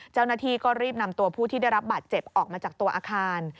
เจ้าหน้าที่ก็รีบนำตัวผู้ที่ได้รับบาดเจ็บออกมาจากตัวอาคาร